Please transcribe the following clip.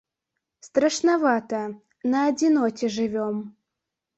Страшнавата, на адзіноце жывём.